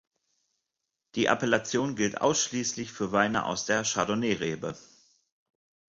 Die Appellation gilt ausschließlich für Weine aus der Chardonnay-Rebe.